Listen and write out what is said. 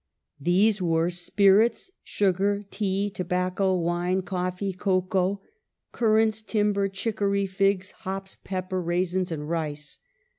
These were : spirits, sugar, tea, tobacco, wine, coffee, cocoa, currants, timber, chicory, figs, hops, pepper, raisins, and rice.